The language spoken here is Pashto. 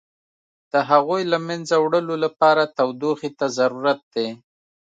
د هغوی له منځه وړلو لپاره تودوخې ته ضرورت دی.